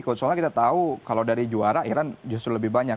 soalnya kita tahu kalau dari juara iran justru lebih banyak